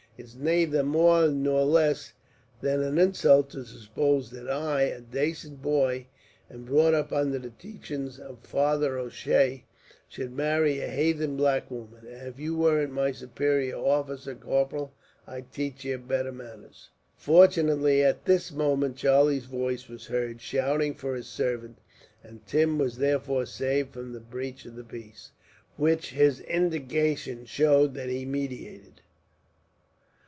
It's nayther more nor less than an insult to suppose that I, a dacent boy, and brought up under the teaching of Father O'Shea, should marry a hathen black woman; and if you weren't my suparior officer, corporal, I'd tach ye better manners." Fortunately, at this moment Charlie's voice was heard, shouting for his servant; and Tim was therefore saved from the breach of the peace, which his indignation showed that he meditated.